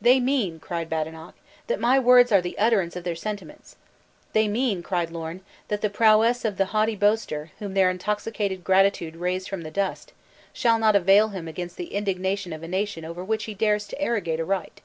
"They mean," cried Badenoch, "that my words are the utterance of their sentiments." "They mean," cried Lorn, "that the prowess of the haughty boaster, whom their intoxicated gratitude raised from the dust, shall not avail him against the indignation of a nation over which he dares to arrogate a right."